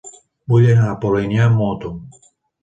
Vull anar a Polinyà amb moto.